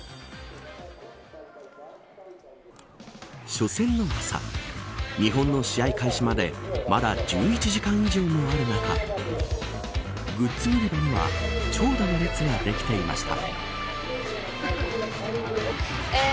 初戦の朝日本の試合開始までまだ１１時間以上もある中グッズ売り場には長蛇の列ができていました。